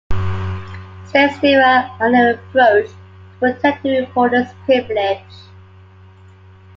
States differ on their approach to protecting reporter's privilege.